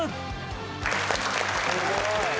・すごい。